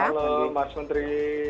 malam mas menteri